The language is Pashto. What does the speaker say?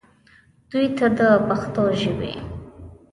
دوي ته د پښتو ژبې